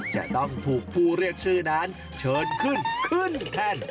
จะต้องถูกผู้เรียกชื่อนั้นเชิญขึ้นขึ้นแท่น